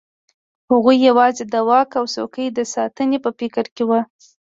هغه یوازې د واک او څوکۍ د ساتنې په فکر کې وو.